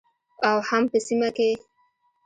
او هم په سیمه کې